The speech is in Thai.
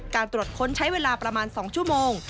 การตรวจค้นใช้เวลาประมาณ๒ชั่วโมง